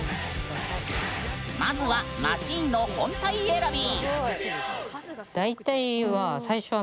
まずは、マシーンの本体選び。